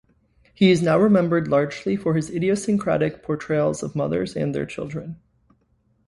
He is now remembered largely for his idiosyncratic portrayals of mothers and their children.